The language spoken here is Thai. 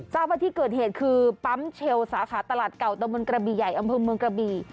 ทราบว่าที่เกิดเหตุคือปั๊มเชลสาขาตลาดเก่าตะบนกระบี่ใหญ่อำเภอเมืองกระบี